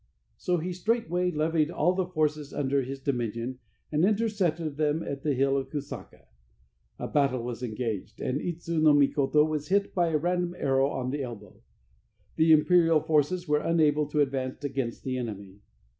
So he straightway levied all the forces under his dominion, and intercepted them at the Hill of Kusaka. A battle was engaged, and Itsuse no Mikoto was hit by a random arrow on the elbow. The imperial forces were unable to advance against the enemy.